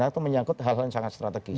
itu menyangkut hal hal yang sangat strategis